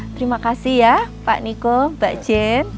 terima kasih ya pak niko mbak jen